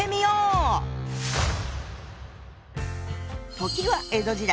時は江戸時代。